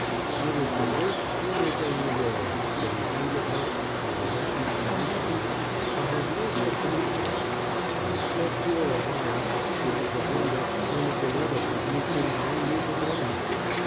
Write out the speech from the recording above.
I was the worst shoemaker in the world, couldn't handle help, was a rotten financial man, had no head for details, and was so poor a buyer, it was a wonder some of the leather companies didn't run me for governor.